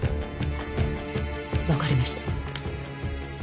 分かりました。